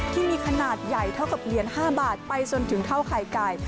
ที่มีขนาดใหญ่เท่ากับเหรียญ๕บาทไปจนถึงเท่าไข่ไก่